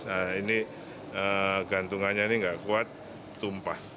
nah ini gantungannya ini nggak kuat tumpah